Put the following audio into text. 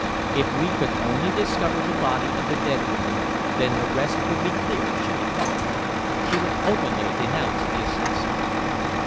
If we could only discover the body of the dead woman, then the rest would be clear, she declared. She would openly denounce the assassin.